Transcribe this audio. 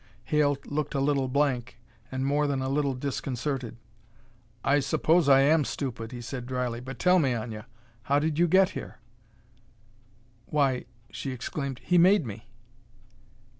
Hale looked a little blank and more than a little disconcerted. "I suppose I am stupid," he said dryly. "But tell me, Aña, how did you get here?" "Why," she exclaimed, "he made me!"